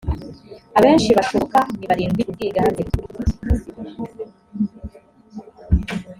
abenshi bashoboka ni barindwi ubwiganze